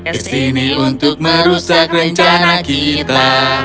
kesini untuk merusak rencana kita